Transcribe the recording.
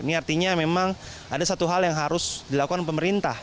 ini artinya memang ada satu hal yang harus dilakukan pemerintah